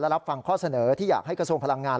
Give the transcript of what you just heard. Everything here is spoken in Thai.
รับฟังข้อเสนอที่อยากให้กระทรวงพลังงาน